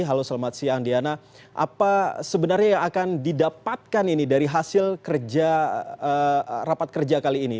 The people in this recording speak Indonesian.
halo selamat siang diana apa sebenarnya yang akan didapatkan ini dari hasil rapat kerja kali ini